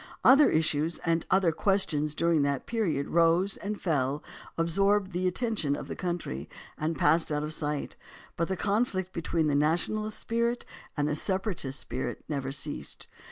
Other issues and other questions during that period rose and fell, ab sorbed the attention of the country, and passed out of sight, but the conflict between the nationalist spirit and the separatist spirit never ceased.